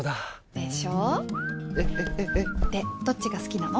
でどっちが好きなの？